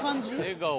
笑顔。